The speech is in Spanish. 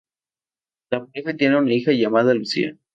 La pareja tiene una hija llamada Lucía.